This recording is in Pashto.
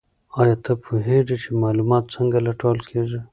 ایا ته پوهېږې چې معلومات څنګه لټول کیږي؟